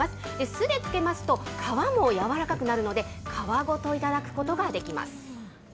酢で漬けますと皮も軟らかくなるので、皮ごと頂くことができます。